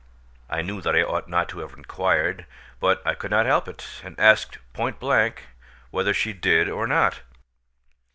I knew that I ought not to have inquired, but I could not help it, and asked point blank whether she did or not.